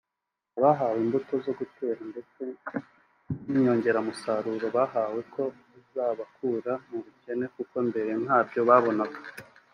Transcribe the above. Abahawe imbuto zo gutera ndetse n’inyongeramusaruro bahamya ko bizabakura mu bukene kuko mbere ntabyo babonaga